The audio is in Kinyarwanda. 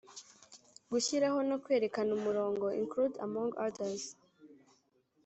gushyiraho no kwerekana umurongo include among others